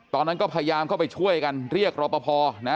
ตอนนั้นก็พยายามเข้าไปช่วยกันเรียกรอปภนะ